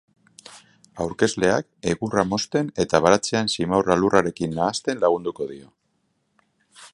Aurkezleak egurra mozten eta baratzean simaurra lurrarekin nahasten lagunduko dio.